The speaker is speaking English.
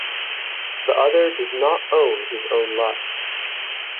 The other does not own his own lust.